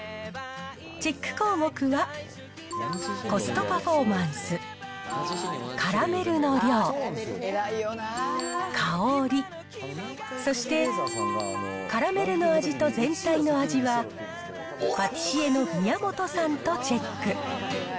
チェック項目は、コストパフォーマンス、カラメルの量、香り、そしてカラメルの味と全体の味は、パティシエの宮本さんとチェック。